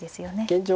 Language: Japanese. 現状